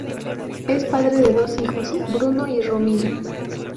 Es padre de dos hijos, Bruno y Romina.